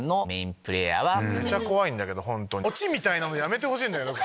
オチみたいなのやめてほしいんだけど。